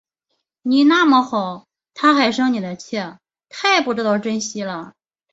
你那么好，她还生你的气，太不知道珍惜了